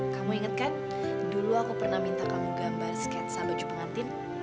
kamu ingatkan dulu aku pernah minta kamu gambar sketsa baju pengantin